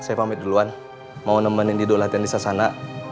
saya pamit duluan mau nemenin dido latihan di sasana